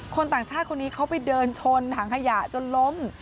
ต่างชาติคนนี้เขาไปเดินชนถังขยะจนล้ม